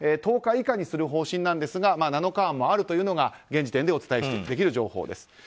１０日以下にするという方針ですが７日案もあるというのが現時点でお伝えできる情報です。